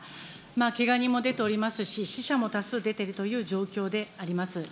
けが人も出ておりますし、死者も多数出ているという状況であります。